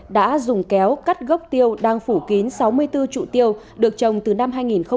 đã dùng kéo cắt gốc tiêu đang phủ kín sáu mươi bốn trụ tiêu được trồng từ năm hai nghìn một mươi